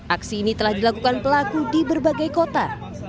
aksi ini telah dilakukan pelaku di berbagai kota